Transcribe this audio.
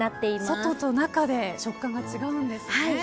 外と中で食感が違うんですね。